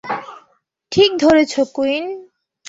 ঠিক ধরেছ, কুইন।